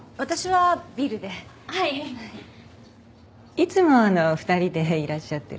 いつも２人でいらっしゃってるの？